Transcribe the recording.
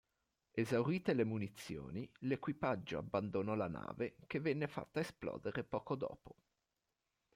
Esaurite le munizioni, l'equipaggio abbandonò la nave che venne fatta esplodere poco dopo.